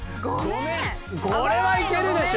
これはいけるでしょ。